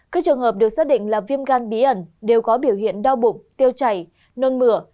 các trường hợp được xác định là viêm gan bí ẩn đều có biểu hiện đau bụng tiêu chảy nôn mửa